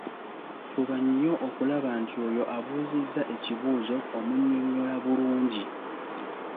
Fuba nnyo okulaba nti oyo abuuzizza ekibuuzo omunnyonnyola bulungi.